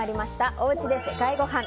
おうちで世界ごはん。